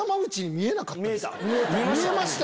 見えました？